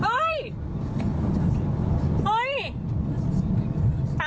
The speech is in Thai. ทำไมทำอย่างนั้นนะ